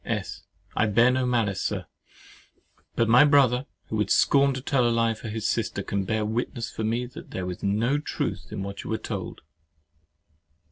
S. I bear no malice, Sir; but my brother, who would scorn to tell a lie for his sister, can bear witness for me that there was no truth in what you were told.